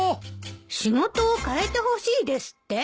仕事を変えてほしいですって。